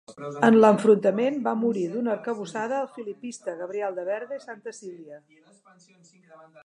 En l'enfrontament va morir d'una arcabussada el filipista Gabriel de Berga i Santacília.